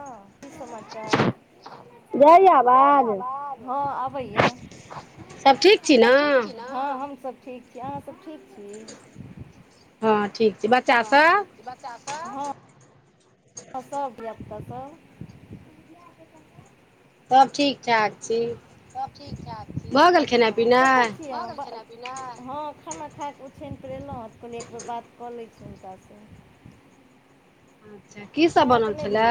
हाँ की समाचार। जाइयै आबाज हँ आबैये। सब ठीक छी नऽ। हँ हम सभ ठीक छी अहाँ सब ठीक छी। हँ ठीक छी बच्चा सब। बच्चा सब हँ। बच्चा सब आ धीया पुता सब। सब ठीक ठाक छी। सब ठीक ठाक छी, अच्छा कतऽ छी [inaudible] भ गेल। नैय हँ खाना खााकऽ ओछानि पर ऐलो हँ तऽ कहलियै एक बेर बात कऽ लै छी हुनकासँ। की सब बनल छला।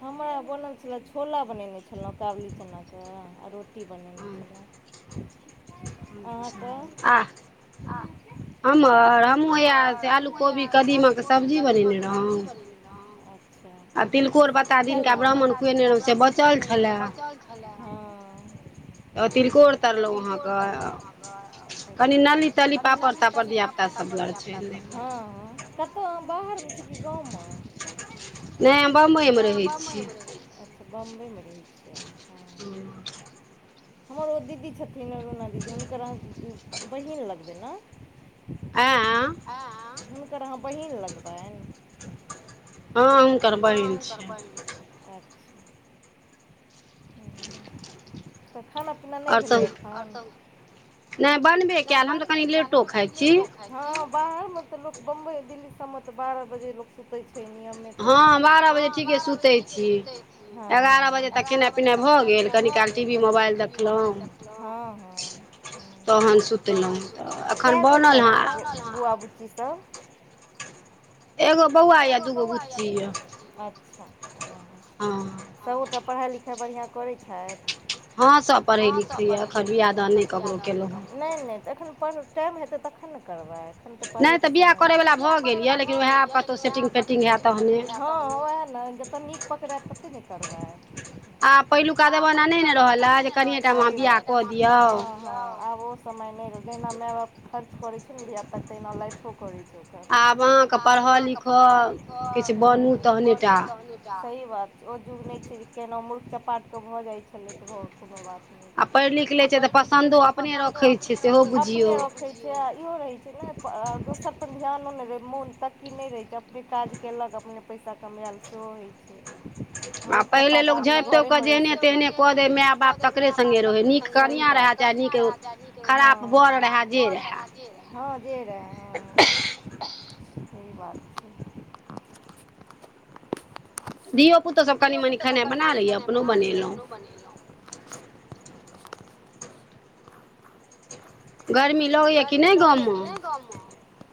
हमरा बनल छला छोला बनेने छलहुँ काबुली चनाके आ रोटी बनेने छ्लो। अच्छा। आआ। हमर अप। हमर, हमहूँ हैया आलू कोबी कदीमाक सब्जी बनैने रहोउ। खेलौं, तील कोर पत्ता दिनका ब्राम्मण खुवेने रहौं से। बचल छैला हंऽ। आइ तिलकोर तरलौ अहाँके। कनि नली तली पापड़ तापड़ धिया पुता सब लै छैन ले ली। हँ क्यों अहाँ बाहरमे छी कि गाँव मे। नैय हम में रहै छी। बॉम्बइ मे रहै छी। [inaudible] हमर ओ दीदी छथिन रुना दीदी हुनकर अहाँ बहिन लगबै न। आए हुनकर अहाँ बहीन लगबैन। ह हुनकर बहिन छियैन। [inaudible] खाना पिना नई भेलै एखन। नैय बनबे कयल हम तऽ कनि लेटो खाइ छी। हाँ बाहरमे तऽ लोक बम्बई दिल्ली सबमे तऽ बारह बजे लोक सुतय छीयै नियमे स हाँ बारह बजे ठीके सुतै छी एगारऽ बजे तक खेनाइ पिनाइ भऽ गेल, कनि काल टी वी मोबाइल देखलहूँ हाँ हाँ हाँ तहन तहन सुतलौं काए गो छन बौआ बुच्ची सब एगो बौआ या दूगो बुच्ची या अच्छा हाँ सब गोटा पढ़ाइ लिखाइ बढ़ियाँ करै छथि हाँ सब पढ़ै लिखैये एखन बिआह दान नै करबै, नहि नहि तऽ एखन पढ़ऽ टाइम हेतै तखन ने करबै। नहि तऽ बिआह करैवला भऽ गेल या लेकिन उहाए आब कतहु ओहाए पर तऽ सेटिंग फेटिंग हाँ ओएह ने जतह नीक पकड़ात तते ने करबै आ पहिलुका जमाना नहि ने रहलै जे कनिए टामे अहाँ बिआह कऽ दियौ आब ओ समय नहि रह जहिना माय बाप खर्च करै छै ने धियापुता तहिना लाइफो करै छै आब अहाँके पढ़ल लिख पढ़ऽ लिख किछ बनू तहने सही बात ओ युग नहि छै जे केना मूर्ख चपाट तऽ भऽ जाइत छलै कोनो बात नहि आ पढ़ि लिख लै छै तऽ पसन्दो अपने रखै छै सेहो बुझियौ साह इहो रहे छै ने ए-दोसर पर ध्यान नहि रहै मन तककी नहि रहे छै जे काज कैएलक अपने पैसा कमायल सेहो होइ छै मुर्ख चपाट आदमी घरेमे रहि सकैया पहिले लोक झाँपि तोइप जेने तेहने कऽ दैय माय बाप तकरे संगे रहै सही बात नीक कनियाँ हाएत दियादनी के खराब बर रहाए हँ जे रहाए हँ सही बात धियो पुतो सब कनी मनी खेनाइ बना लैय अपनो बनेलहुँ बनेलहुँ गरमी लगैया कि नहि गाँवमे गाँवमे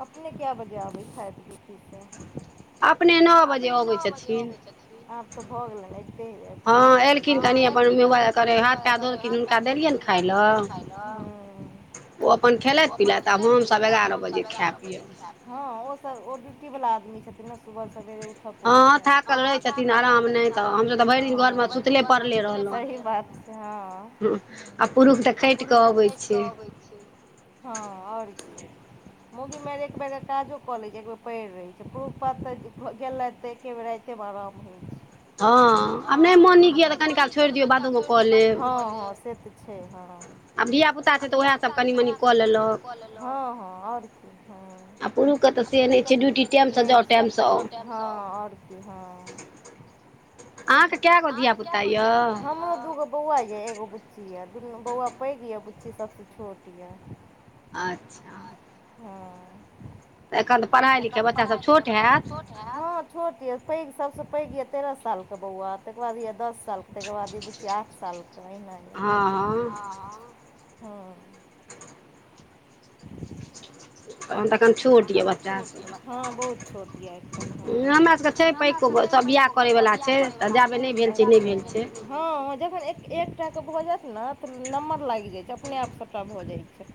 अपने काए बजे आबै छथि डियूटी सँ अपने नओ बजे अबै छथिन आब तऽ भऽ गेले ने हाँ एलखिन तनि अपन हाथ पैर धोलखिन हुनका देलियनि खायइ लाए ओ अपन खेलथि पिलथि आब हमसभ एगारह बजे खाय पियब हाँ ओ सब ओ ड्यूटी वला आदमी छथिन ने सुबह सेरे उठऽ पड़ै छै हाँ थाकल रहै छै छथिन आराम नहि हाँ हम सब तऽ घरमे सुतले पड़ले सही बात छै हाँ आ पुरुष तऽ खैट कऽ अबै छै हाँ आओर की मौगी मेहर एक बेर काजो कऽ लै छै एक बेर परि रहै छै पूरुख पात्र तऽ एक बेर गेलथि तऽ एके बेर राति एतेक आराम होइ छै हाँ आब नहि मोन नीक या तऽ कनि काल छोड़ि दियौ बादोमे कऽ लेब हँ से तऽ छै हाँ-हाँ आब धिय पुता छै तऽ उएहसभ कनि मनि तऽ कनी मनी कऽ लेलहुँ हाँ हाँ आओर की हाँ आ पुरुषके तऽ से नहि छै ड्यूटी टाइमसँ जाउ टाइमसँ आउ हँ आओर कि हँ अहाँकेँ कए गो धियापुता यए बौआ ये एगो बुच्ची ये दुनू बौआ पैक ये बुच्ची सभसे छोट ये अच्छा। ह तऽ एखन तऽ पढ़ाई लिखाई बच्चा सभ छोट हैत छोट यऽ पैघ सभसँ पैघ यऽ तेरह सालके बौआ तकर बाद यऽ दस सालके तकर बाद ई बुच्चि आठ सालके नहि ह ह त तन छै छो हँ बहुत छोट हमरा सभके छै पैघ सभ विआह करैवला छै तऽ जाएब नहि भेल छै नहि भेल छै हँ जखन एकटा के भऽ जायत ने तऽ नम्बर लागि जाय छै अपने आप सभटा भऽ जाइ छै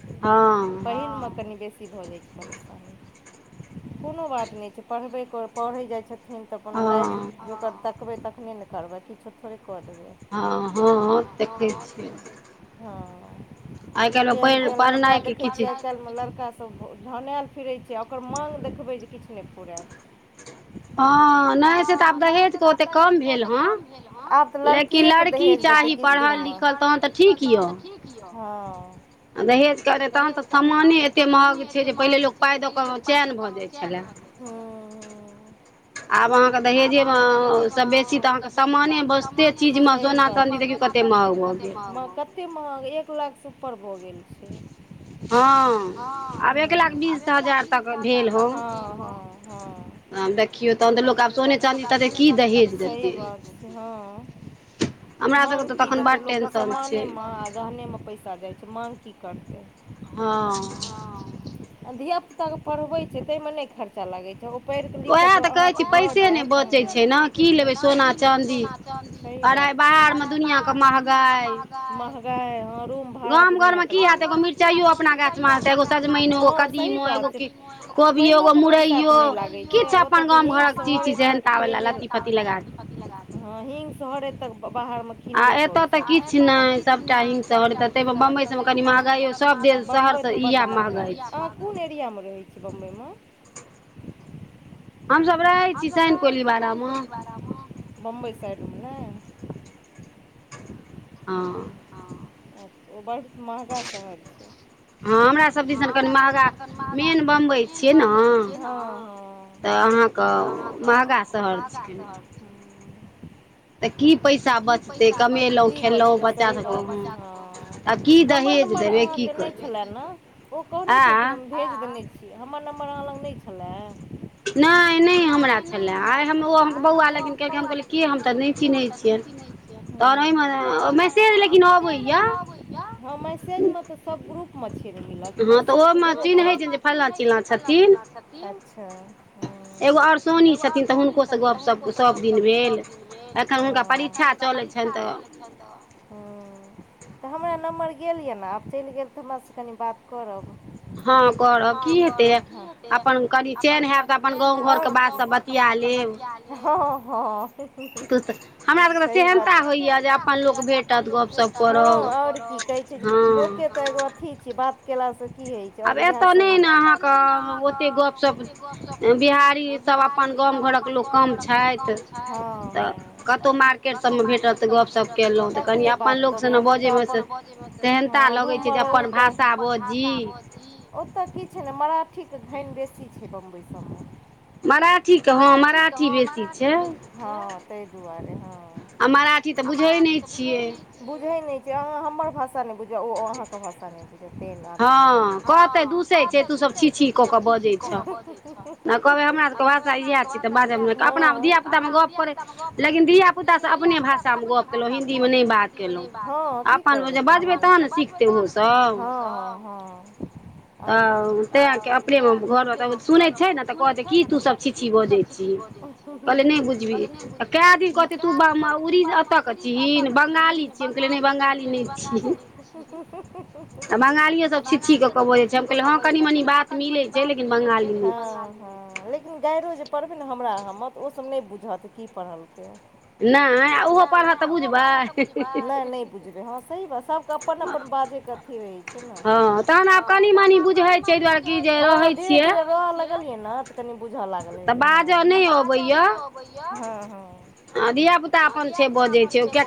पहिरमे कनि बेसी भऽ जाइ छै। परेशानी कोनो बात नहि छै पढ़बै पढ़ै जाइ छथिन। तखन तऽ अपन लाइफ जकर देखबै तखने ने करबै किछो थोड़े कऽ देबै। हँँ देखै छियै ह फन फन पाद खिच मतल तऽ धनायल फिरै छै ओकर माँङग देखबै जे किछु नहि फूरात हँ नहि से तऽ आब दहेजके ओतेक कम भेल हे लेकिन कि लड़की चाही पढ़ल लिखल तहन तऽ ठीक य ह आ दहेज करै तहन तऽ सामाने एतेक महग छै जे मह छै जे पहिले लोक प दल बन आब अहाँकेँ दहेजेमे से बेसी तऽ अहाँकेँ सामाने बचते चीजमे सोना चाँदी देखियौ कते महग भऽ गेल। कतेक महगा एक लाखसँ ऊपर भऽ गेल छै। ह आब एक लाख बीस एक लाख बीस हजार देख। त लोगप सोने चद तऽ माग कि रहतै लोकके समाने म रहनेमे पैसा जाइ छै माँग कि करतै ह ह धिया पुता के पढ़बे छै ताे मे नहि खर्चा लगे छै। लिखच ले सँ करइ बाहरमे दुनिआ के महगाई महगाइ आरू। गाम घर मे कि हेत एगो मिरचाइयो अपना गाछ मे हेत एो मो कदीमो एगो कोबियो एगो मुरैयो किछ अपन गाम घर कऽ चीज तावला लऽ ती फती लगा दे ल ह हिग शहरे तक बाहरमे बे करू आ एतऽ तऽ किछु नहि सभटा बम महा कोन एरिया मे रहै छै बम्बई मे हमसभ रहै छी शन कोलीवारा मे बम्बइ साइड मऽ नेय हँ हँ ओ बड़ महगा शहर छै हँ हमरा सभ दिसन कनि महँगा मेन बम्बइ छियै नऽ तऽ अहाँके महगा शहर छिये कनि तऽ की पैसा बचतै कमेलहुँ खेललहुँ बच्चा सभके आ की दहेज देबै की करबै ओ कहने छलखिन हम भेज देने छी हमर नम्बर अहाँ लग नहि छलए नहि नहि हमरा छलए आइ हम बौआ लगी कह हम कहोली हम तऽ नहि चिन्हैत छी जे तहन ओमय मैसेज लेकिन आबेय सब ग्रुपमे छिये चान्हि फला चिलला छथिन एगो ओर सोनी छथिन तऽ हुनकोसँ गपप सब दिन भेल एखन हुनका परीक्षा चलेय छन तऽ हूँ तऽ हमरा नम्बर गेल यऽ ने आब चलि गेल तऽ हमरँ कनि बात करब हँ करब की हेतै अपन कनि चेन हयब तऽ अपन गाँव घरके बात सब ब [unintelligible] हँ आऔर की कहै छै लोके तऽ एगो अथी छै बात केलास से की होय छै आब एतय नहि ने अहाँके ओतेक गपशप बिहारी सब अपन गाम घरक लोक काम छथि तऽ कतहु मारकेट भेटल तऽ गपप केलहुँ तऽ कनि अपन लोक बजैमे तनता लै छै जे अपन भाषा बजी ओतय की छै ने मराठीके घैन बेसी छै बम्बइ सभमे मराठीके हँ मराठी बेसी छैय हँ ताहि दुआरे हँ मारठी तऽ बुझैत नहि छी बुझै नहि छै अहाँ हमर भाषा नहि बुझए ओ अहाँकेँ भाषा नहि बुझए हँ कहतै दुूसै छै तू सभ छीिछी कऽ कऽ बजै छह [unintelligible] नहि कहबै हमरा सबके भाषा इएह छी तऽ बाजबमे अपना धिया पुता मे गप करे लेकिन धिया पुता लेकिन धियापुताास सब अपने भाषामे गप्प केलहुँ हिन्दीमे नहि बाज हँ की करबै अपन बजबै तहन नऽ ीक हँ हँ हँ आर कि अपने घर सुनेय छै तय कही तू सबी कि छी छी बज नहि कए दिन कहत तू ब उड़ी अतऽ कहथिन बंगाली ख बंगाली ने [unintelligible] तऽ बंगालिएसभ छीि छी कऽ केऽ बजैत छै हम कहिले हँ कनि मनि बात मिलैत छै लेकिन बंगालीमे ह ह लेकिन गायरो जे पढ़बै ने हमरा हम तऽ ओसभ नहि बुझत की पढ़लकै नहि आ ओहो पढ़त तऽ बुझबै बुझबै हँ सही बात सबके अपन अपन बाजैके हँ तहन आब कनि मनि बुझै छियै एहि दुआरे कि जे रहै छियै रह लगलियै नऽ तऽ कनि बुझऽ लागल हेबै हँ बाजय नहि अबैय हँ धियापुता अपन छैय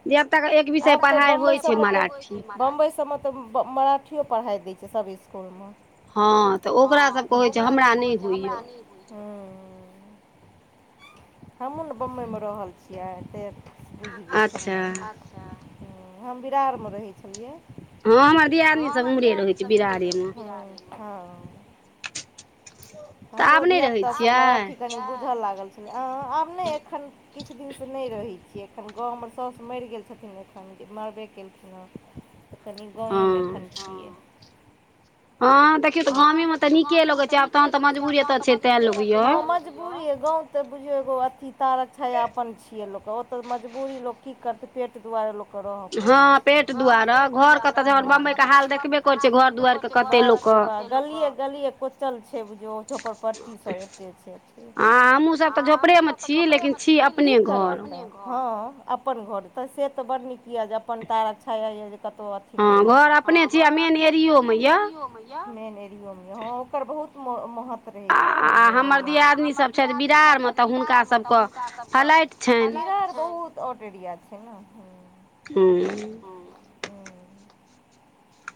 [unintelligible] घिया पुता कऽ एक आब तऽ बम्बइ सब मऽ तऽ बम्बई सब मऽ तऽ मराठियो पढ़ाइ दै छै सभ स्कुलमे हँ तऽ ओकरा सबके होैत छै हमरा नहि होइए हमहूँ ने बम्बइमे रहल छियै से बुझि गेल छलहु हम बिहार मे रहे छलियै हँ हमर दियादनी सभ उमरे रहै छै बिरारे मे हँऽ हमरो धियापुता सभ मराठी कनि लागल छल अ आब ने एखन किछु दिन से नहि रहे छियै एखन गाव हमर सौस मरि गेल छथिन एखन जे मरबे केलखिन ह तऽ कनि गावे मे एखन छियै हँ देखियौ तऽ गामे तऽ नीके लोगे छै आब तहन तऽ मजबूरी एतय छै तै लोग यए ब गाव ते बुझियो एगो अथी तारक छायापन छिये लोक तऽ मजबूरी लोक कि करत दुआर लोक के रहऽ पड़े पेट दु घर के बाप रे बाप गलि गलि कोचल छै बुझियौ छोपरपट्टी सभ एते छै हँ हमहूँ सभ तऽ झोपड़ेमे छी लेकिन छी अपने घर हँ अपन घर तऽ से तऽ बड़ नीक यऽ जे अपन तारक्षा य जे कतहूँ घर अपने छिय मेन एरियो मे मेन एरियो मे ह ओकर बहुत मंहत। रहै छै ने आ हमर जे आदमी सभ छथि बिरार मे तऽ हुनका सभके अर बहुत ओटेरीया छै ने ह हू।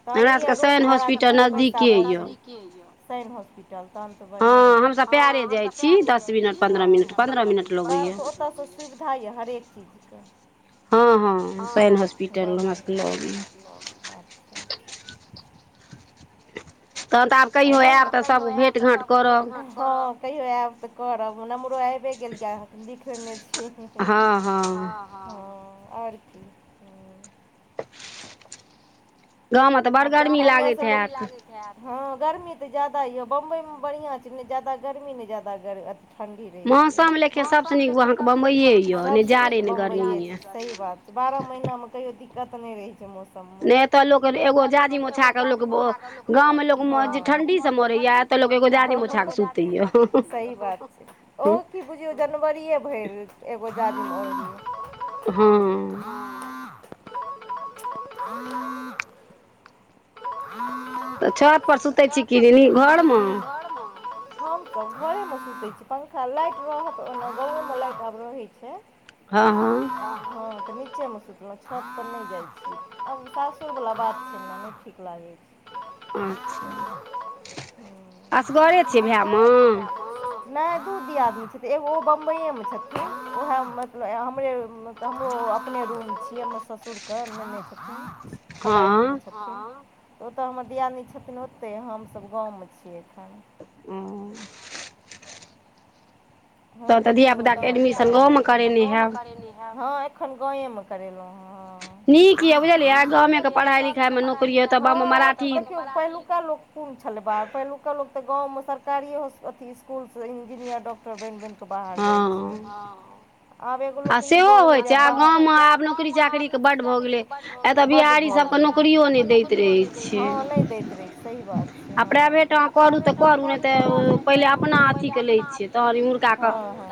तहन ई रूम भाड़ा केछ पैसा बतैन हॉस्पिटल। चलतन तऽ बढ़िया या ह हमस परे जाय छी द मिनटन्द मिनट पर ओत सुविधा यऽ हरेक चीजके। ह ह शइन हॉस्पिटल हमरा सभके लऽ तहन तऽ आब कहियो आयब तऽ सभ भेट घाँट करब हँ कहियो आयब तऽ करब हमहरो आबबे गेल य अहाँ लिख लेने छी हँ हँ आओर कि गावमे तऽ बड़ गरमी लागैत होत हँ गर्मी तऽ ज्यादा यए बम्बइमे बढ़िआ छै नहि ज्यादा गर्मी नहि ज्यादा ग अ ठण्डी रहै छै मौ मे बमब सही बात बारह महिना मे कहियो दिक्कत नहि रहय छै मौसम मे। नहि एतय लोक एगो जाजी मोछा कऽ लोक गाम मे ल लोक ठंडी से मरै या सहि बात छै ओ [unintelligible] कि बुझियौ जनवरिए भरि एगो जाति ह तऽ छतपर सुतै छी कि घर मे हम त घरे मे सुसै छी पंखा लाइट रहत ओना घरो मे लाइट आब रहै छै। हँ तऽ निचे छत पर नहि जाइ छै आब कासो वला बात छै हमरा नहि ठीक लागै छै अच्छा असगरे छै भाय मे नहि दू दियादी छथिन एगो ओ बम्बइए मे छथिन ओएह मतलब हमरे त हमो अपने रूम छियै हम ससुरके लेने छथिन फ्लाइटमे छथिन तऽ ओतऽ हमर दआनी छथिन ओतहि हमस गाममे छियै एाम हू हुनको न गो धिय पुताके एडमिशन गावमे करेली हेँ एखन गाेमे करेलहुँ ह नीक यऽ बुझलियै गामे के पढ़ाई लिखाइमे नौकरी यतऽ बाममे मराठी पहिलुका लोक कोन छलै बाहर पहिलुका लोक तऽ गाममे सरकारी अथी इसकुलसँ इंजीनियर डॉक्टर टो बान्हि बान्हि कऽ बाहर जाइ छियै। आब एगो लोको ई भऽ गेले छै आ गाम आब नौकरी चाकरी के बड ब बि नहि नहि दैत रहे सही बात छै आ प्राइभेट अहाँ करू तऽ करू नहि तऽ पहिले अपना अथीके लै छियै तहन एम्हुरका के ह।